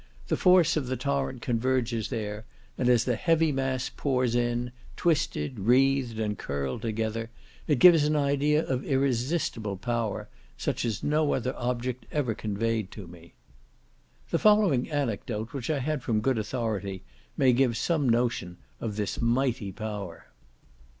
The force of the torrent converges there, and as the heavy mass pours in, twisted, wreathed, and curled together, it gives an idea of irresistible power, such as no other object ever conveyed to me. The following anecdote, which I had from good authority, may give some notion of this mighty power.